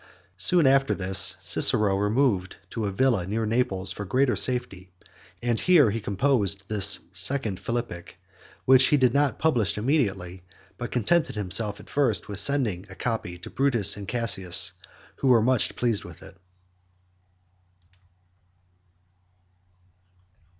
Soon after this, Cicero removed to a villa near Naples for greater safety, and here he composed this second Philippic, which he did not publish immediately, but contented himself at first with sending a copy to Brutus and Cassius, who were much pleased with it.